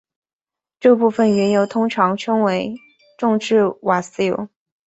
这部分原油通常称为重质瓦斯油。